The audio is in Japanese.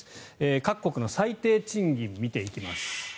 各国の最低賃金、見ていきます。